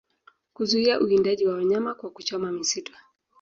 kuzuia uwindaji wa wanyama kwa kuchoma misitu